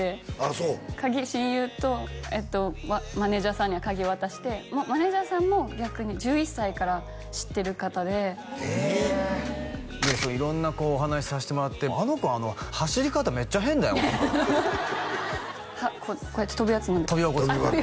そう親友とマネージャーさんには鍵渡してマネージャーさんも逆に１１歳から知ってる方でへえ色んなお話させてもらってあの子走り方めっちゃ変だよとかこうやってとぶやつ何だっけとび箱ですか？